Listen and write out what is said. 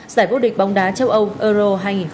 giải vô địch bóng đá châu âu euro hai nghìn hai mươi